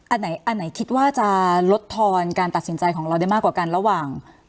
อันไหนคิดว่าจะลดทอนการตัดสินใจของเราได้มากกว่ากันระหว่าง